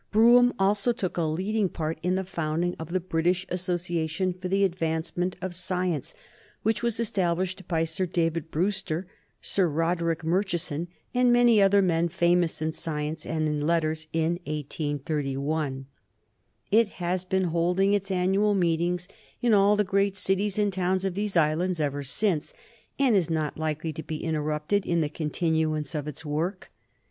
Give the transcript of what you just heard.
Brougham also took a leading part in the founding of the British Association for the Advancement of Science, which was established by Sir David Brewster, Sir Roderick Murchison, and many other men famous in science and in letters in 1831. It has been holding its annual meetings in all the great cities and towns of these islands ever since, and is not likely to be interrupted in the continuance of its work.